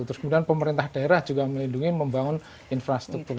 terus kemudian pemerintah daerah juga melindungi membangun infrastruktur